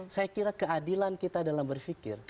saya kira keadilan kita dalam berpikir